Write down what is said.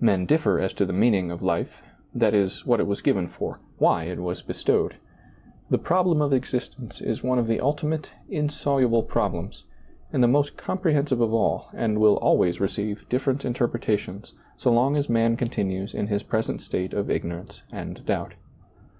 Men differ as to the meaning of life — that is, what it was given for, why it was bestowed. The problem of existence is one of the ultimate, insoluble prob ^oiizccbv Google 52 SEEING DARKLY lems, and the most comprehensive of all, and will always receive different interpretations so long as man continues in his present state of ignorance and doubt.